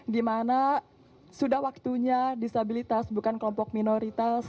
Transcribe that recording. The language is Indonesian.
di mana sudah waktunya disabilitas bukan kelompok minoritas